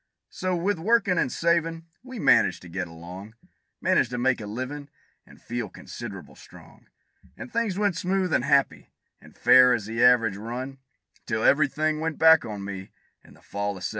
So, with workin' and savin', we managed to get along; Managed to make a livin', and feel consid'able strong; And things went smooth and happy, an' fair as the average run, Till every thing went back on me, in the fall of '71.